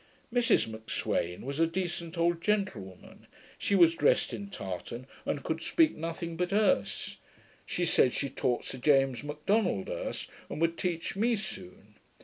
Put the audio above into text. Mrs M'Sweyn was a decent old gentlewoman. She was dressed in tartan, and could speak nothing but Erse. She said, she taught Sir James M'Donald Erse, and would teach me soon.